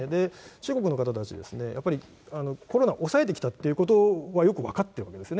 中国の方たち、やっぱりコロナ抑えてきたということはよく分かってるんですね。